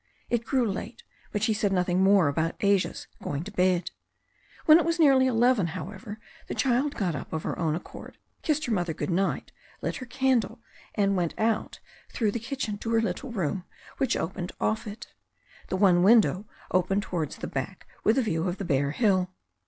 It grew late, but she said nothing more about Asia's going to bed. When it was nearly eleven, however, the child got up of her own accord, kissed her mother good night, lit her candle, and went out through the kitchen to her little room, which opened off it. The one THE STORY OF A NEW ZEALAND RIVER 8j window opened towards the back with a view of the bare hill.